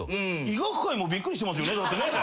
医学界もびっくりしてますよねだってね。